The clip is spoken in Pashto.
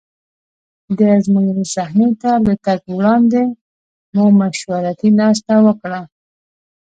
د ازموینې صحنې ته له ورتګ وړاندې مو مشورتي ناسته وکړه.